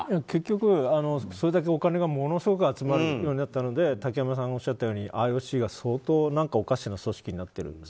結局それだけお金がものすごく集まるようになったので竹山さんがおっしゃったようにＩＯＣが相当おかしな組織になってる。